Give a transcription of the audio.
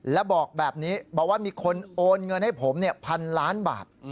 แล้วบอกแบบนี้บอกว่ามีคนโอนเงินให้ผมพันล้านบาท